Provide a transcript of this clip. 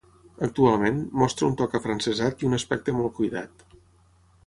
Actualment, mostra un toc afrancesat i un aspecte molt cuidat.